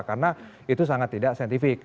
karena itu sangat tidak scientific